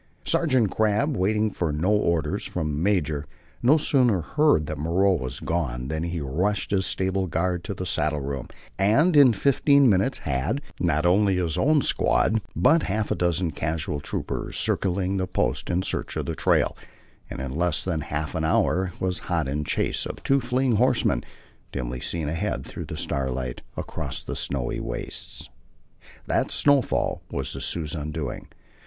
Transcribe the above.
Sergeant Crabb, waiting for no orders from the major, no sooner heard that Moreau was gone, than he rushed his stable guard to the saddleroom, and in fifteen minutes had, not only his own squad, but half a dozen "casual" troopers circling the post in search of the trail, and in less than half an hour was hot in chase of two fleeing horsemen, dimly seen ahead through the starlight, across the snowy wastes. That snowfall was the Sioux's undoing.